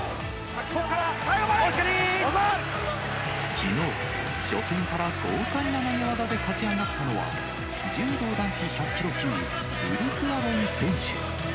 きのう、初戦から豪快な投げ技で勝ち上がったのは、柔道男子１００キロ級、ウルフ・アロン選手。